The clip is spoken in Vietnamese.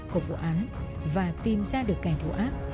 của vụ án và tìm ra được kẻ thù ác